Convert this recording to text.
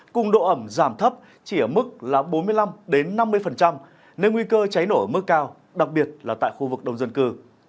cùng độ ẩm giảm thấp chỉ ở mức là bốn mươi năm năm mươi nên nguy cơ cháy nổ ở mức cao đặc biệt là tại khu vực đông dân cư